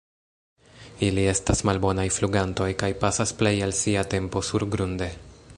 Ili estas malbonaj flugantoj kaj pasas plej el sia tempo surgrunde.